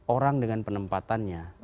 orang dengan penempatannya